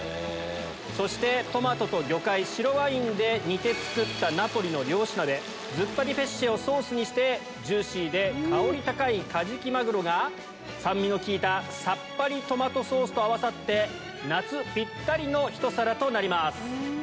そしてトマトと魚介白ワインで煮て作ったナポリの漁師鍋ズッパディペッシェをソースにしてジューシーで香り高いカジキマグロが酸味の効いたさっぱりトマトソースと合わさって夏ぴったりのひと皿となります。